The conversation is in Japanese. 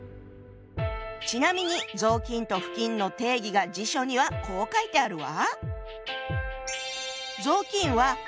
ちなみに「雑巾」と「布巾」の定義が辞書にはこう書いてあるわ。